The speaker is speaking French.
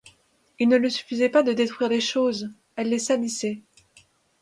Il ne lui suffisait pas de détruire les choses, elle les salissait.